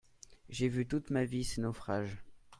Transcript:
J'ai vu toute ma vie ses naufrages.